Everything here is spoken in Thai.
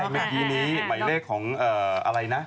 หลังจากครึ่งนี้หมายเลขของอะไรนะ